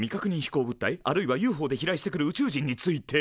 あるいはＵＦＯで飛来してくる宇宙人について？